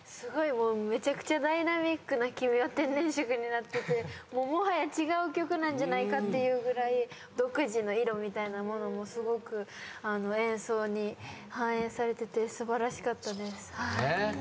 めちゃくちゃダイナミックな『君は天然色』になっててもはや違う曲なんじゃないかっていうぐらい独自の色みたいなものもすごく演奏に反映されてて素晴らしかったです。